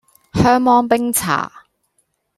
香芒冰茶